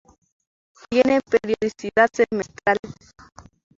Tiene periodicidad semestral.